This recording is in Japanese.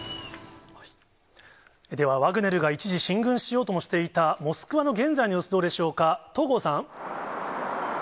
ではワグネルが一時、進軍しようともしていたモスクワの現在の様子、どうでしょうか？